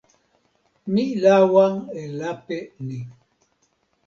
mi lawa e lape ni.